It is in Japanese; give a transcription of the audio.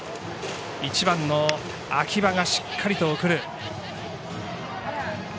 １番の秋葉がしっかりと送る。